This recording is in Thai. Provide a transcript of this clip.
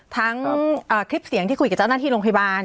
ทั้งคลิปเสียงที่คุยกับเจ้าหน้าที่โรงพยาบาล